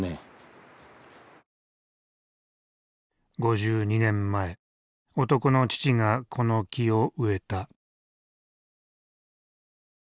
５２年前男の父がこの木を植えた。